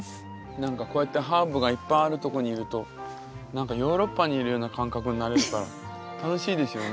何かこうやってハーブがいっぱいあるとこにいると何かヨーロッパにいるような感覚になれるから楽しいですよね。